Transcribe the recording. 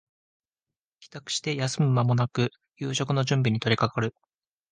帰宅して休む間もなく夕食の準備に取りかかる